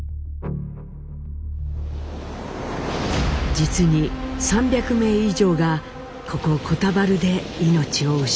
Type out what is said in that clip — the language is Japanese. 実に３００名以上がここコタバルで命を失いました。